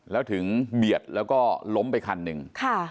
แล้วถึงเบียดแล้วก็ล้มไปคันหนึ่ง